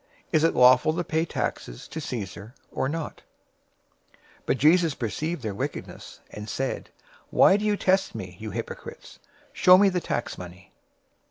Is it lawful to pay taxes to Caesar, or not?" 022:018 But Jesus perceived their wickedness, and said, "Why do you test me, you hypocrites? 022:019 Show me the tax money."